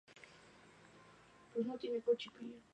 En la tarea lo acompañaron Jimmy Page y Nicky Hopkins en piano.